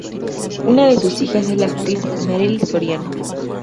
Una de sus hijas es la actriz Meryl Soriano.